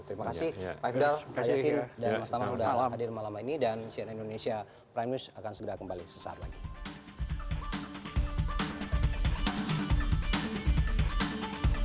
terima kasih pak ifdal pak yasin dan mas taman sudah hadir malam ini dan cnn indonesia prime news akan segera kembali sesaat lagi